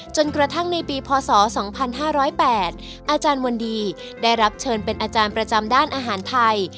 จนกระทั่งในปีพศ๒๕๐๘อาจารย์วันดีได้รับเชิญเป็นอาจารย์ประจำด้านอาหารไทย